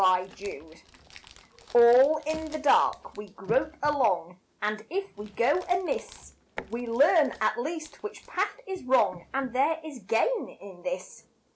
=Life= All in the dark we grope along, And if we go amiss We learn at least which path is wrong, And there is gain in this.